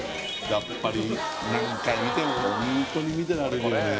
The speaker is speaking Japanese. やっぱり何回見てもホントに見てられるよね